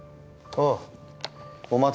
ああ。